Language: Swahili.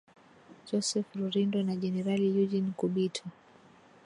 Joseph Rurindo na jenerali Eugene Nkubito